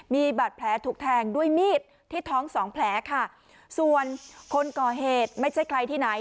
มีบาดแผลถูกแทงด้วยมีดที่ท้องสองแผลค่ะส่วนคนก่อเหตุไม่ใช่ใครที่ไหน